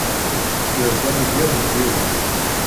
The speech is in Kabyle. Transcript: Tefkiḍ-d amedya n diri.